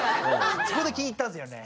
そこで気に入ったんですよね。